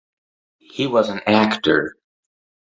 He was an actor.